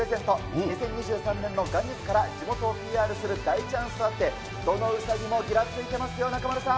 ２０２３年の元日から地元をＰＲする大チャンスとあって、どのうさぎもぎらついてますよ、中丸さん。